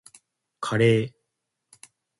カレー